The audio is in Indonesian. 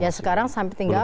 ya sekarang sampai tinggal